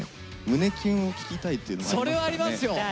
胸キュンを聞きたいというのもありますからね。